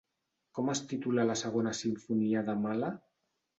Com es titula la Segona Simfonia de Mahler?